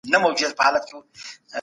هیڅوک باید د وینا له امله ونه ځورول سي.